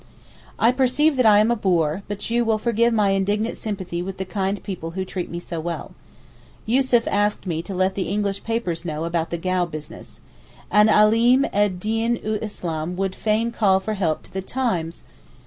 I perceive that I am a bore—but you will forgive my indignant sympathy with the kind people who treat me so well. Yussuf asked me to let the English papers know about the Gau business. An Alim ed Deen ul Islam would fain call for help to the Times!